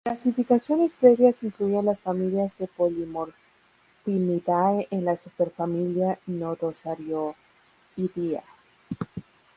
Clasificaciones previas incluían las familias de Polymorphinidae en la superfamilia Nodosarioidea.